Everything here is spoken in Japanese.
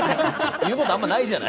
言うことあまりないじゃない。